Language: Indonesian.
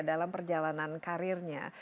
dalam perjalanan karirnya